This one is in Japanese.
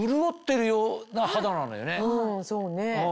うんそうね。